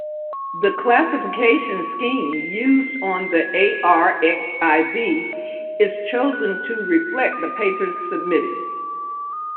The classification scheme used on the arXiv is chosen to reflect the papers submitted.